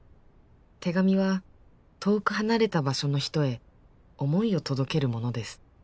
手紙は遠く離れた場所の人へ思いを届けるものです